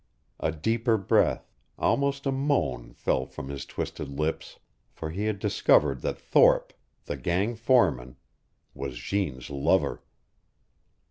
A deeper breath, almost a moan, fell from his twisted lips. For he had discovered that Thorpe, the gang foreman, was Jeanne's lover.